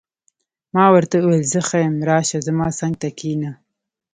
ما ورته وویل: زه ښه یم، راشه، زما څنګ ته کښېنه.